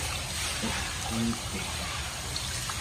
eqiituq